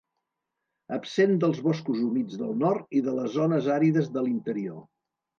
Absent dels boscos humits del nord i de les zones àrides de l'interior.